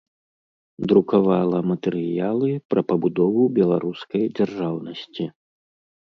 Друкавала матэрыялы пра пабудову беларускай дзяржаўнасці.